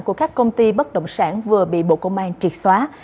của các công ty bất động sản vừa bị bộ công an triệt xóa